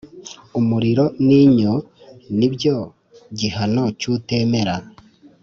umuriro n’inyo nibyo gihano cy’utemera